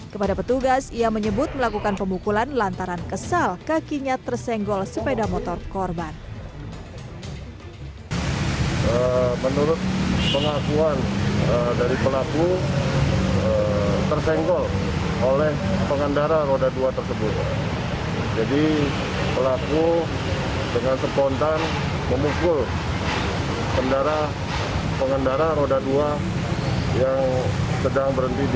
kepada petugas ia menyebut melakukan pemukulan lantaran kesal kakinya tersenggol sepeda motor korban